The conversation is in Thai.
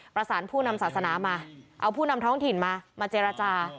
ประสานผู้นำศาสนามาเอาผู้นำท้องถิ่นมามาเจรจา